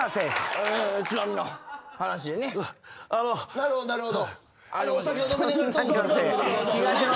なるほどなるほど。